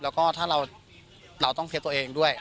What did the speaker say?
แล้วก็ถ้าเราต้องเฟสตัวเองด้วย